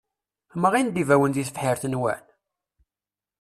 Mɣin-d ibawen deg tebḥirt-nwen?